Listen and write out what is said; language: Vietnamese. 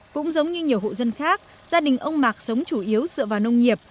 cũng giống như nhiều hộ dân khác gia đình ông mạc sống chủ yếu dựa vào nông nghiệp